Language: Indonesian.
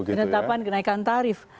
penetapan kenaikan tarif